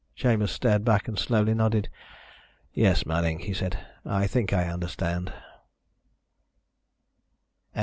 Chambers stared back and slowly nodded. "Yes, Manning," he said. "I think I understand."